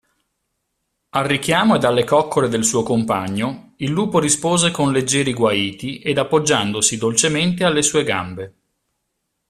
Al richiamo ed alle coccole del suo compagno, il lupo rispose con leggeri guaiti ed appoggiandosi dolcemente alle sue gambe.